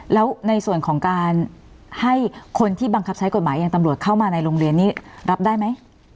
แล้วในส่วนของการให้คนที่บังคับใช้กฎหมายอย่างตำรวจเข้ามาในโรงเรียนนี้รับได้ไหม